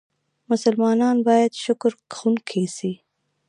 مسلمانان بايد شکرکښونکي سي.